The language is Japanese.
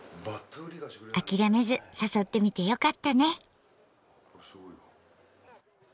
諦めず誘ってみてよかったね。